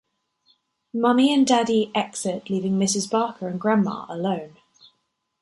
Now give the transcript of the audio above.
Mommy and Daddy exit, leaving Mrs. Barker and Grandma alone.